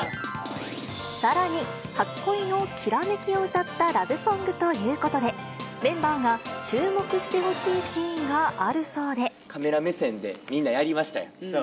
さらに、初恋のきらめきを歌ったラブソングということで、メンバーが注目カメラ目線で、みんなやりましたやん。